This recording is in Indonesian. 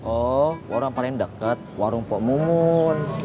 ooo warung yang paling deket warung pok mumun